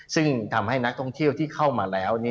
ซึ่งทำให้นักท่องเที่ยวที่เข้ามาแล้ว